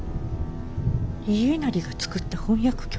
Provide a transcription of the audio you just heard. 家斉が作った翻訳局？